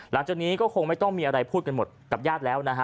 หลังจากนี้ก็คงไม่ต้องมีอะไรพูดกันหมดกับญาติแล้วนะฮะ